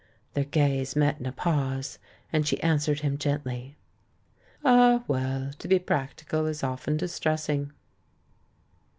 Their gaze met in a pause, and she answered him gently: "Ah, well, to be practical is often distressing!"